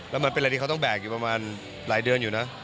แล้วมันเป็นอะไรที่เขาต้องแบกอยู่ประมาณหลายเดือนอยู่นะ